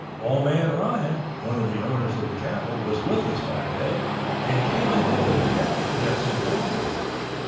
Old man Ryan, one of the owners of the cattle, was with us that day, and came ahead of the cattle to get some coffee.